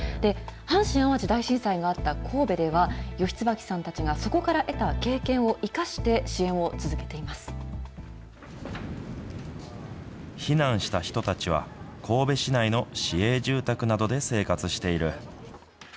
阪神・淡路大震災があった神戸では、吉椿さんたちがそこから得た経験を生かして、支援を続けてい避難した人たちは、神戸市内の市営住宅などで生活している。